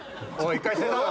１回捨てたぞ。